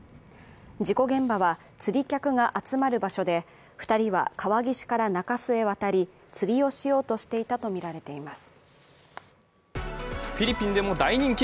事故現場は釣り客が集まる場所で、２人は川岸から中州へ渡り釣りをしようとてしていたとみられています。